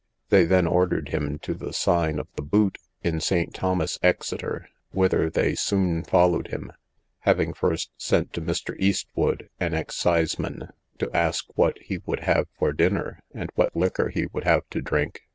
They then ordered him to the sign of the Boot, in St. Thomas's, Exeter, whither they soon followed him, having first sent to Mr. Eastwood, an exciseman, to ask what he would have for dinner, and what liquor he would have to drink.